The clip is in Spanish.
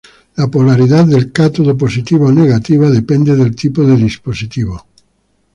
La polaridad del cátodo, positiva o negativa, depende del tipo de dispositivo.